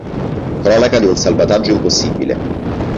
Cronaca di un salvataggio impossibile".